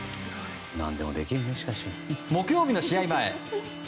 木曜日の試合前。